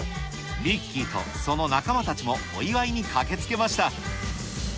ミッキーとその仲間たちもお祝いに駆けつけました。